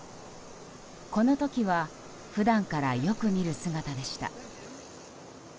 この時は普段からよく見る姿でした。